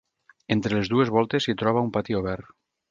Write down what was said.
Entre les dues voltes s'hi troba un pati obert.